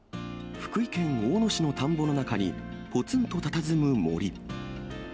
福井県大野市の田んぼの中に、ぽつんとたたずむ森。